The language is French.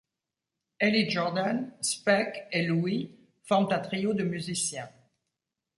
Elly Jordan, Spec et Louie forment un trio de musiciens.